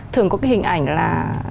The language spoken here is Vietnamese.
thường có cái hình ảnh là